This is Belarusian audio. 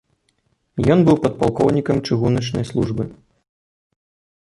Ён быў падпалкоўнікам чыгуначнай службы.